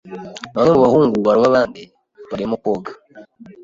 Bamwe mu bahungu baroba abandi barimo koga.